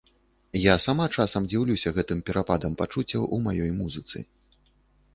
Я сама часам дзіўлюся гэтым перападам пачуццяў у маёй музыцы.